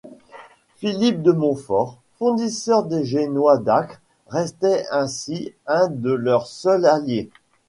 Philippe de Montfort, fournisseur des Génois d’Acre, restait ainsi un de leurs seuls alliés.